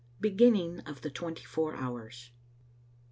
BEGINNING OF THE TWENTY FOUR HOURS.